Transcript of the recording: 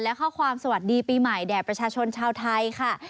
และข้อความสวัสดีปีใหม่แด่ประชาชนชาวไทยค่ะ